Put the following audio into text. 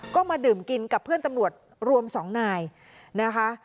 ก็มาดื่มกินกับเพื่อนตำรวจรวม๒นายนะคะ